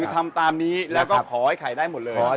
คือทำตามนี้แล้วก็ขอให้ขายได้หมดเลยนะครับ